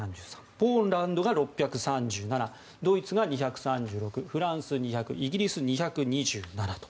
ポーランドが６３７ドイツが２３６フランス、２００イギリスは２２７と。